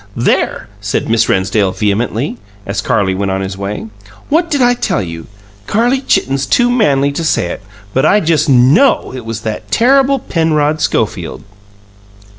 "There!" said Miss Rennsdale vehemently, as Carlie went on his way. "What did I tell you? Carlie Chitten's too manly to say it, but I just KNOW it was that terrible Penrod Schofield."